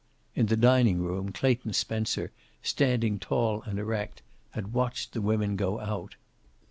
In the dining room Clayton Spencer, standing tall and erect, had watched the women go out.